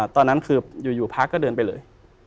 ตอนนั้นคืออยู่พระก็เดินไปเลย